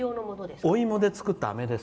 お芋で作ったあめです。